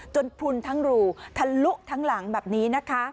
พลุนทั้งรูทะลุทั้งหลังแบบนี้นะคะ